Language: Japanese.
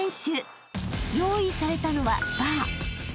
［用意されたのはバー］